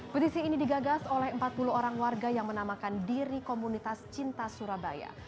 petisi ini digagas oleh empat puluh orang warga yang menamakan diri komunitas cinta surabaya